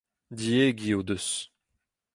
Diegi o deus.